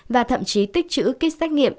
và thậm chí tích chữ kit xét nghiệm